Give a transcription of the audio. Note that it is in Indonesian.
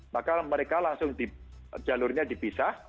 maka mereka langsung jalurnya dipisah